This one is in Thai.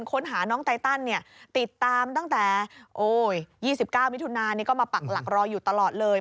ค้นหาน้องไตตันติดตามตั้งแต่๒๙มิถุนานี่ก็มาปักหลักรออยู่ตลอดเลย